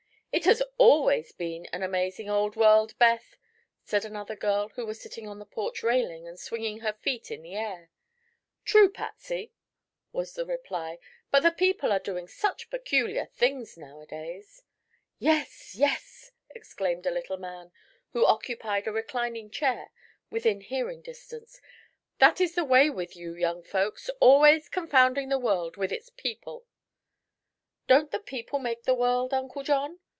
"It has always been an amazing old world, Beth," said another girl who was sitting on the porch railing and swinging her feet in the air. "True, Patsy," was the reply; "but the people are doing such peculiar things nowadays." "Yes, yes!" exclaimed a little man who occupied a reclining chair within hearing distance; "that is the way with you young folks always confounding the world with its people." "Don't the people make the world, Uncle John?"